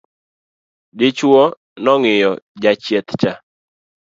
dichuo cha nong'iyo jachieth cha